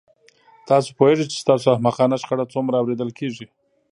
تاسو پوهیږئ چې ستاسو احمقانه شخړه څومره اوریدل کیږي